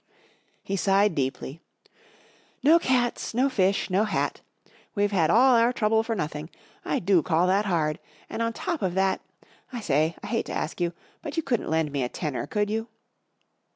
He sighed deeply. 44 No cats, no fish, no hat. We've had all our trouble for nothing. I do call that hard! And on top of that—I say, I hate to ask you, but you couldn't lend me a tenner, could you